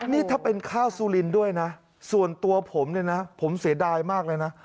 นี่ถ้าเป็นข้าวซูลินด้วยนะส่วนตัวผมเนี่ยนะผมเสียดายมากเลยนะ